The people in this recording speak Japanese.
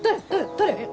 誰？